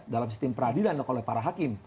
dalam sistem peradilan oleh para hakim